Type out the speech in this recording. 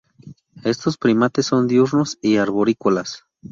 Estos primates son diurnos y arborícolas.